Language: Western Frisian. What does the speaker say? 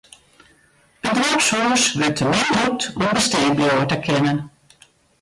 It doarpshûs wurdt te min brûkt om bestean bliuwe te kinnen.